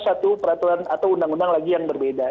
satu peraturan atau undang undang lagi yang berbeda